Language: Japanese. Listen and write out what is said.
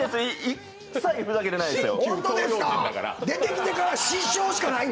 一切ふざけてないですよ。